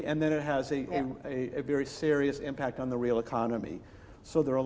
dan kemudian itu memiliki impact yang sangat serius pada ekonomi sebenarnya